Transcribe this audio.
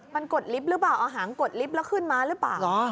มันกดลิฟต์หรือเปล่าเอาหางกดลิฟต์แล้วขึ้นมาหรือเปล่า